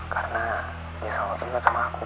karena dia selalu inget sama aku